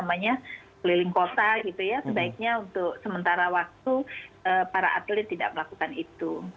sebaiknya untuk sementara waktu para atlet tidak melakukan itu